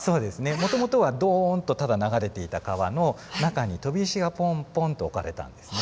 もともとはドンとただ流れていた川の中に飛び石がポンポンと置かれたんですね。